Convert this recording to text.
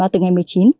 từ ngày một mươi chín